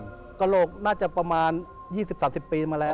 กระโหลกน่าจะประมาณ๒๐๓๐ปีมาแล้ว